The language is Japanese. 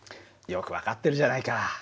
よく分かってるじゃないか。